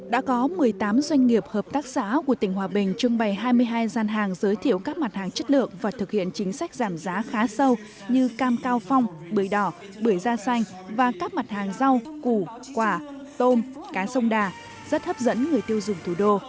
đã có một mươi tám doanh nghiệp hợp tác xã của tỉnh hòa bình trưng bày hai mươi hai gian hàng giới thiệu các mặt hàng chất lượng và thực hiện chính sách giảm giá khá sâu như cam cao phong bưởi đỏ bưởi da xanh và các mặt hàng rau củ quả tôm cá sông đà rất hấp dẫn người tiêu dùng thủ đô